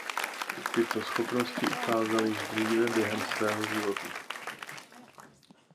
Tyto schopnosti ukázal již dříve během svého života.